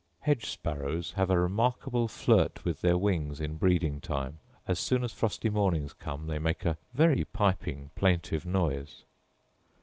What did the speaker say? Hedge sparrows have a remarkable flirt with their wings in breeding time; as soon as frosty mornings come they make a very piping plaintive noise.